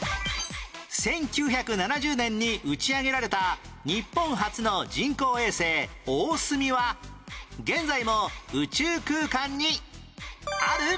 １９７０年に打ち上げられた日本初の人工衛星「おおすみ」は現在も宇宙空間にある？